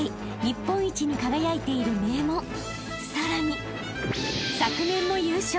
［さらに昨年も優勝］